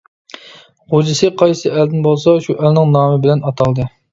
غوجىسى قايسى ئەلدىن بولسا، شۇ ئەلنىڭ نامى بىلەن ئاتالدى.